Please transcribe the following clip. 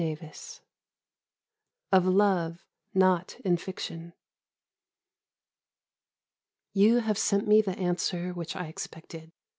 XXXIV OF LOVE NOT IN FICTION You have sent me the answer which I expected.